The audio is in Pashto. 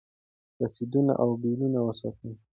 رسیدونه او بیلونه وساتئ.